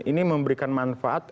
ini memberikan manfaat